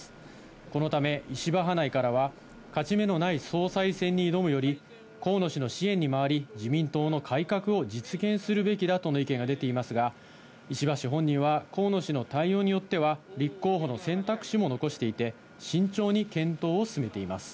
このため、石破派内からは、勝ち目のない総裁選に挑むより、河野氏の支援に回り、自民党の改革を実現するべきだとの意見が出ていますが、石破氏本人は、河野氏の対応によっては、立候補の選択肢も残していて、慎重に検討を進めています。